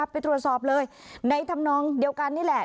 ไปตรวจสอบเลยในธรรมนองเดียวกันนี่แหละ